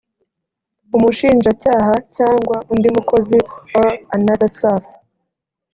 umushinjacyaha cyangwa undi mukozi or another staff